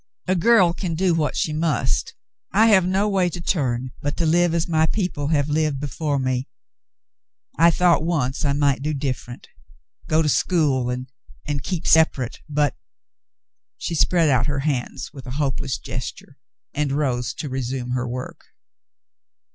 A girl can do what she must. I have no way to turn but to live as my people have lived before me. I thought once I might do different, go to school and keep separate — but —" She spread out her hands with a hopeless ges ture, and rose to resume her work.